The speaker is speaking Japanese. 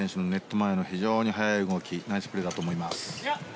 前の非常に速い動きナイスプレーだと思います。